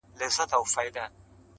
ماته له عمرونو د قسمت پیاله نسکوره سي!.